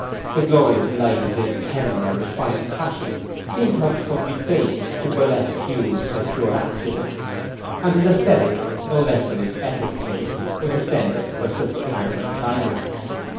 The glorious light of this tender and refined passion seemed to have become debased to burlesque hues by pure accident, and his aesthetic no less than his ethic taste was offended by such an anti climax.